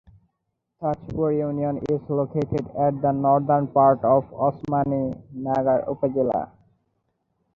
Tajpur Union is located at the northern part of Osmani Nagar Upazila.